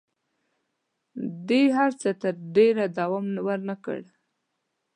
دې هر څه تر ډېره دوام ونه کړ.